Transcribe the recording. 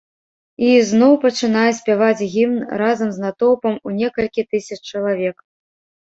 І ізноў пачынае спяваць гімн разам з натоўпам у некалькі тысяч чалавек.